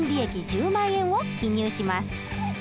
１０万円を記入します。